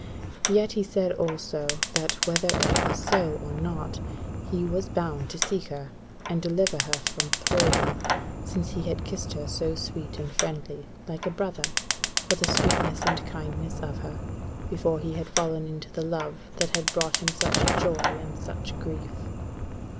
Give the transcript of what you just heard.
Yet he said also, that, whether it were so or not, he was bound to seek her, and deliver her from thralldom, since he had kissed her so sweet and friendly, like a brother, for the sweetness and kindness of her, before he had fallen into the love that had brought him such joy and such grief.